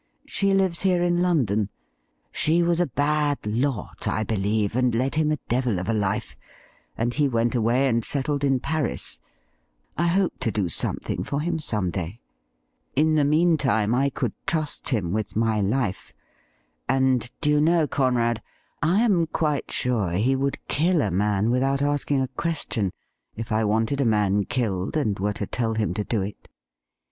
She lives here in London. She was a bad lot, I believe, and led him a devil of a life, and he went away and settled in 'WILL YOU STAND IN WITH us?' 167 Paris. I hope to do something for him some day. In the meantime, I could trust him with my life ; and do you know, Conrad, I am quite sure he would kill a man with out asking a question if I wanted a man killed and were to tell him to do it.'